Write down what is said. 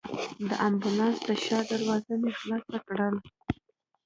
د امبولانس د شا دروازه مې خلاصه کړل.